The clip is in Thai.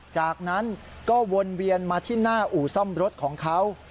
จากนั้นก็วนเวียนมาที่หน้าอู่ซ่อมรถของเขา